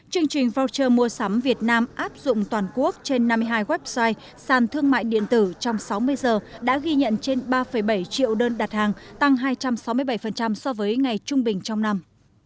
chương trình voucher mua sắm việt nam áp dụng toàn quốc trên năm mươi hai website sàn thương mại điện tử trong sáu mươi giờ đã ghi nhận trên ba bảy triệu đơn đặt hàng tăng hai trăm sáu mươi bảy so với ngày trung bình trong năm